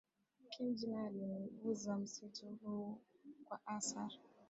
Khimji nae aliuza msitu huu kwa Asar